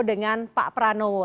dengan pak pranowo